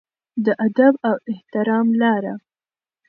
د ادب او احترام لاره.